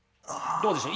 どうでしょう。